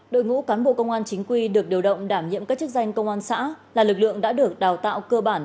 đội ngũ cán bộ công an chính quy được điều động đảm nhiệm các chức danh công an xã là lực lượng đã được đào tạo cơ bản